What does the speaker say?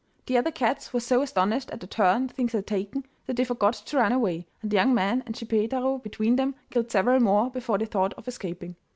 The other cats were so astonished at the turn things had taken that they forgot to run away, and the young man and Schippeitaro between them killed several more before they thought of escaping.